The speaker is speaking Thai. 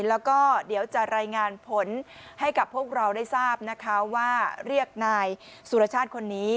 แล้วก็เดี๋ยวจะรายงานผลให้กับพวกเราได้ทราบนะคะว่าเรียกนายสุรชาติคนนี้